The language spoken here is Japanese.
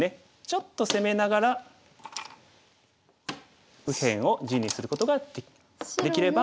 ちょっと攻めながら右辺を地にすることができれば。